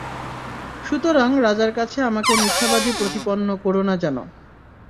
সুতরাং রাজার কাছে আমাকে মিথ্যাবাদী প্রতিপন্ন করো না যেন।